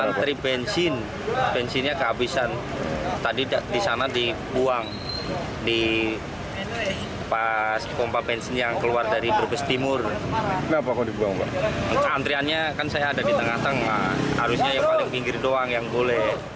antreannya kan saya ada di tengah tengah harusnya yang paling pinggir doang yang boleh